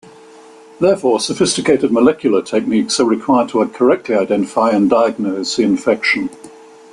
Therefore, sophisticated molecular techniques are required to correctly identify and diagnose the infection.